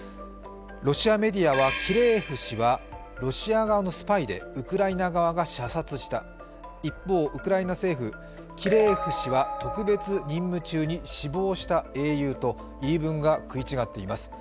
ロシアメディアはキレーエフ氏はロシア側のスパイでウクライナ側が射殺した、一方、ウクライナ政府、キレーエフ氏は特別任務中に死亡した英雄と言い分が食い違っています。